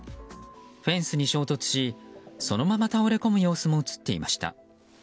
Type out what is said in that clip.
フェンスに衝突しそのまま倒れ込む様子も映っていました。